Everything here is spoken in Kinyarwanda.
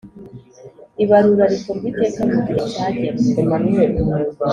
Ibarura rikorwa iteka mu gihe cyagenwe.